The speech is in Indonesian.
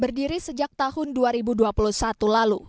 berdiri sejak tahun dua ribu dua puluh satu lalu